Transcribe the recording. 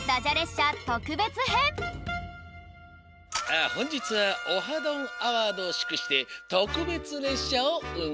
あほんじつは「オハ！どんアワード」をしゅくしてとくべつれっしゃをうん